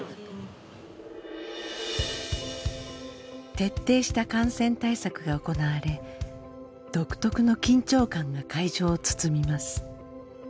徹底した感染対策が行われ独特の緊張感が会場を包みます。